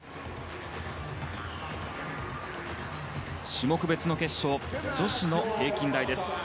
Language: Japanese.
種目別の決勝女子の平均台です。